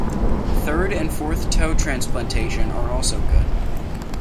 Third and fourth toe transplantation are also good.